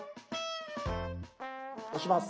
押します。